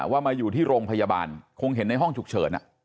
มาอยู่ที่โรงพยาบาลคงเห็นในห้องฉุกเฉิน